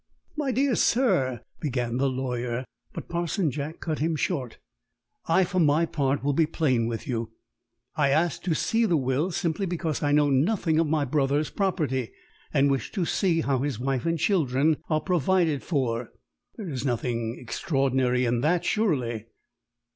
"My dear sir " began the lawyer. But Parson Jack cut him short. "I, for my part, will be plain with you. I ask to see the will simply because I know nothing of my brother's property, and wish to see how his wife and children are provided for. There is nothing extraordinary in that, surely?"